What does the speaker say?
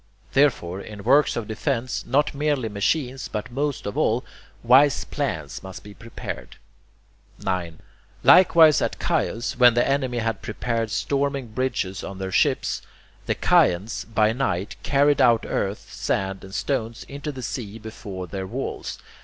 Therefore, in works of defence, not merely machines, but, most of all, wise plans must be prepared. 9. Likewise at Chios, when the enemy had prepared storming bridges on their ships, the Chians, by night, carried out earth, sand, and stones into the sea before their walls.